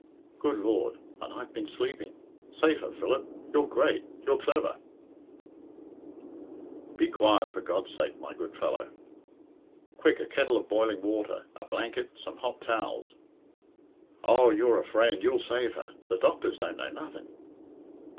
"Good Lord, and I've been sleeping! Save her, Philip! You're great; your clever " "Be quiet, for God's sake, my good fellow! Quick, a kettle of boiling water a blanket some hot towels." "Oh, you're a friend, you'll save her. The doctors don't know nothing."